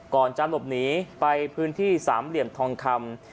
ก่อนจะหลบหนีไปพื้นที่สามเหลี่ยมทองคำ